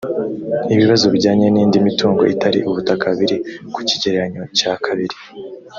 ibibazo bijyanye n’indi mitungo itari ubutaka biri ku kigereranyo cya kabiri